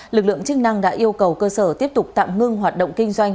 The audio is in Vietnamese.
lực lượng chức năng đã yêu cầu cơ sở tiếp tục tạm ngưng hoạt động kinh doanh